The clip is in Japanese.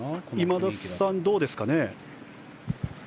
今田さん、どうですかね。